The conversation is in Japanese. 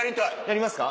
やりますか。